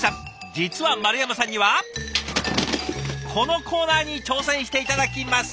実は丸山さんにはこのコーナーに挑戦して頂きます。